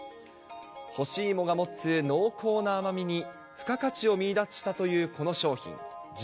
干し芋が持つ濃厚な甘みに付加価値を見いだしたという、この商品。